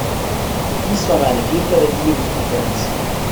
Dies war meine vierte Regierungskonferenz.